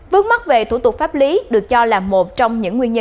vướng mắt về thủ tục pháp lý được cho là một trong những nguyên nhân